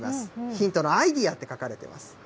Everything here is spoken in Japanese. ヒントのアイデアって書かれています。